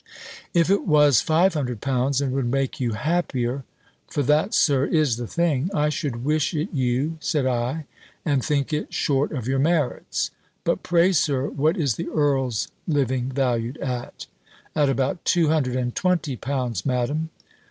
"If it was five hundred pounds, and would make you happier (for that, Sir, is the thing) I should wish it you," said I, "and think it short of your merits. But pray, Sir, what is the earl's living valued at?" "At about two hundred and twenty pounds, Madam."